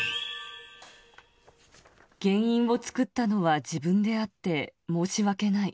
原因を作ったのは自分であって申し訳ない。